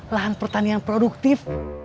lahan pertanian produktif